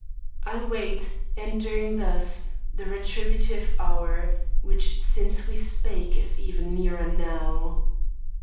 I wait, Enduring thus, the retributive hour Which since we spake is even nearer now.